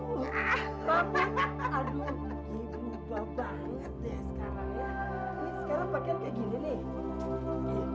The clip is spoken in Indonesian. ini sekarang pakaian kayak gini nih